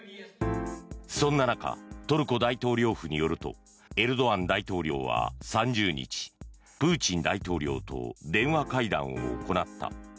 そんな中トルコ大統領府によるとエルドアン大統領は３０日プーチン大統領と電話会談を行った。